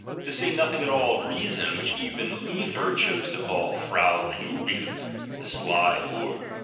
(To say nothing at all of Reason, which even Luther chose to call Frau Kliiglin* the sly whore.)